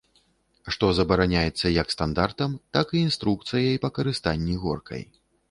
Што забараняецца, як стандартам, так і інструкцыяй па карыстанні горкай.